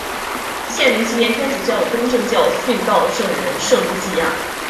县名纪念天主教与东正教殉道圣人圣路济亚。